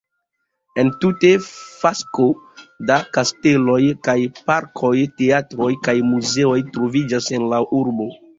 Entute fasko da kasteloj kaj parkoj, teatroj kaj muzeoj troviĝas en la urbo.